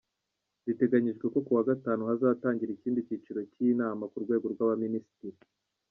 Biteganyijwe ko kuwa Gatanu hazatangira ikindi cyiciro cy’iyi nama ku rwego rw’abaminisitiri.